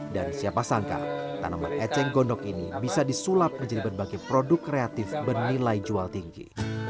dan siapa sangka tanaman eceng gondok ini bisa disulap menjadi berbagai produk kreatif bernilai jual tinggi